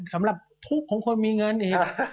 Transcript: สำหรับทุกข์ของคนมีเงินอีก